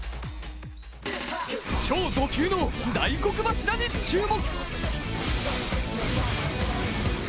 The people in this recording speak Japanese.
超ド級の大黒柱に注目。